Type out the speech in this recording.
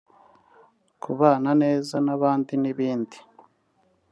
kubana neza n'abandi n'ibindi